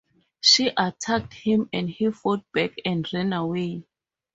She attacked him and he fought back and ran away.